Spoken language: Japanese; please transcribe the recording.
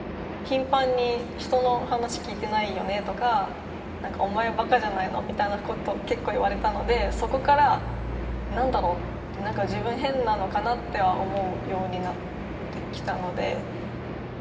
頻繁に人の話聞いてないよねとか、なんか、お前、ばかじゃないのみたいなことを結構言われたので、そこから、なんだろう、なんか自分変なのかなって思うようになってきたので。